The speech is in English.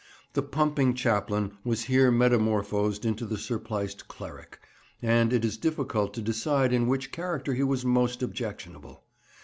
The pumping Chaplain was here metamorphosed into the surpliced cleric, and it is difficult to decide in which character he was most objectionable.